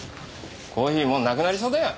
コーヒーもうなくなりそうだよ。